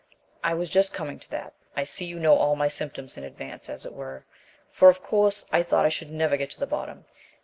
"I was just coming to that. I see you know all my 'symptoms' in advance, as it were; for, of course, I thought I should never get to the bottom.